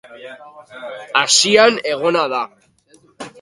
Asian egona da.